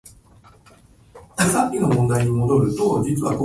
離れないでって、言っただろ